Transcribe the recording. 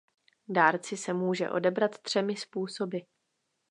Dárci se může odebrat třemi způsoby.